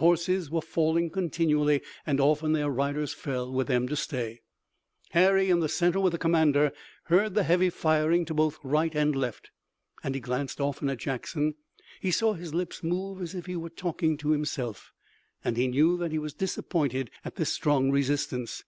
Horses were falling continually, and often their riders fell with them to stay. Harry, in the center with the commander, heard the heavy firing to both right and left, and he glanced often at Jackson. He saw his lips move as if he were talking to himself, and he knew that he was disappointed at this strong resistance.